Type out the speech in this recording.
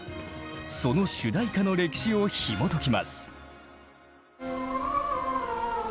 その主題歌の歴史をひもときます。